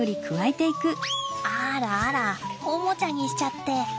あらあらおもちゃにしちゃって。